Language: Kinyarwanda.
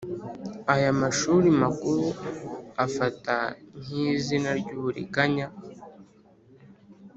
Aya mashuri makuru afata nk’izina ry’uburiganya